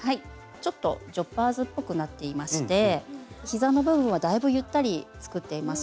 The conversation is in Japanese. ちょっとジョッパーズっぽくなっていまして膝の部分はだいぶゆったり作っています。